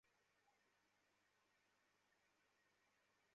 বাকি সব কি?